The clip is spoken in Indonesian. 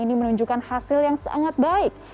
ini menunjukkan hasil yang sangat baik